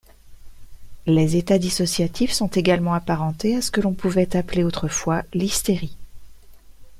Les états dissociatifs sont également apparentés à ce que l'on pouvait appeler autrefois l'hystérie.